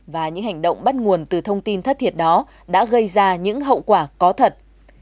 và những hành động bắt nguồn từ thông tin thất thiệt đó đã gây ra những hậu quả có thật